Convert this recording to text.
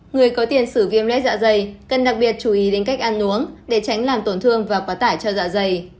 người có tiền sử viêm lết dạ dày cần đặc biệt chú ý đến cách ăn uống để tránh làm tổn thương và quá tải cho dạ dày